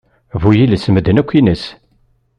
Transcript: Bu-yiles medden yakk ines!